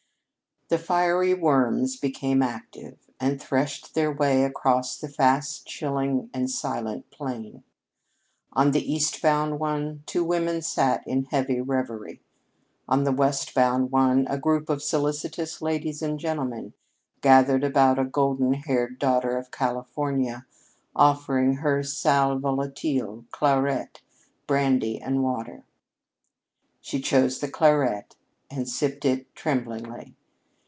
The fiery worms became active, and threshed their way across the fast chilling and silent plain. On the eastbound one two women sat in heavy reverie. On the westbound one a group of solicitous ladies and gentlemen gathered about a golden haired daughter of California offering her sal volatile, claret, brandy and water. She chose the claret and sipped it tremblingly.